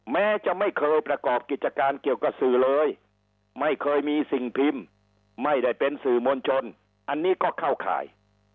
แม้จะไม่เคยประกอบกิจการเกี่ยวกับสื่อเลยไม่เคยมีสิ่งพิมพ์ไม่ได้เป็นสื่อมวลชนอันนี้ก็เข้าข่าย